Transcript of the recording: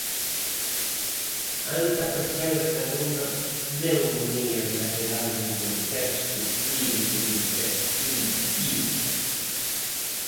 Ante a presenza dunha pneumonía bilateral nun contexto clínico de infección vírica.